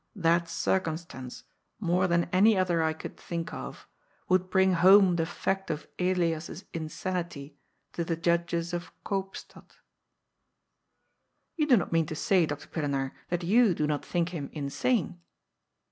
That circumstance, more than any other I could think of, would bring home the fact of Elias's insanity to the judges of Koopstad." " You do not mean to say. Dr. Pillenaar, that you do not think him insane